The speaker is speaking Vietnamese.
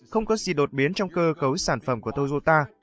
không có gì đột biến trong cơ cấu sản phẩm của toyota